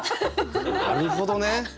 なるほどね。